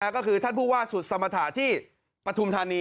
ก็คือท่านผู้ว่าสุดสมฐาที่ปฐุมธานี